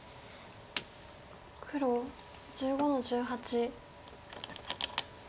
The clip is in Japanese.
黒１５の十八。